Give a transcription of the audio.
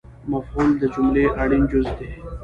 مفعول د جملې اړین جز دئ